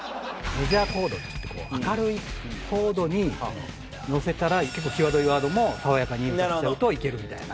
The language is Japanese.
メジャーコードっつってこう明るいコードにのせたら結構際どいワードも爽やかにのせるといけるみたいな。